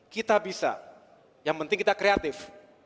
kita bisa yang penting kita kreatif